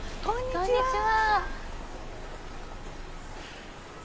こんにちは。